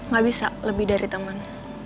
gak bisa lebih dari teman